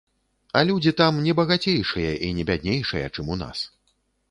А людзі там не багацейшыя і не бяднейшыя, чым у нас.